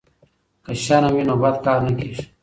که شرم وي نو بد کار نه کیږي.